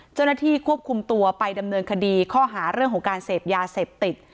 เจ้าหน้าที่ควบคุมตัวไปดำเนินคดีข้อหาเรื่องของการเสพยาเสพติด